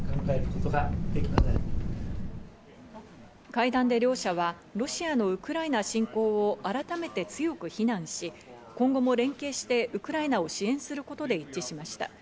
会談で両者はロシアのウクライナ侵攻を改めて強く非難し、今後も連携してウクライナを支援することで一致しました。